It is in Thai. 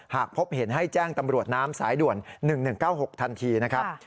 หากพบเห็นให้แจ้งตำรวจน้ำสายด่วน๑๑๙๖ทันทีนะครับ